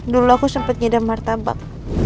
dulu aku sempet ngidam martabak